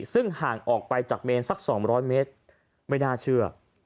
ซึ่งห่างออกไปจากเมนสัก๒๐๐เมตรไม่น่าเชื่อ